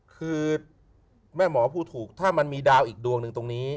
คือแม่หมอพูดถูกถ้ามันมีดาวอีกดวงหนึ่งตรงนี้